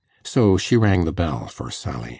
So she rang the bell for Sally.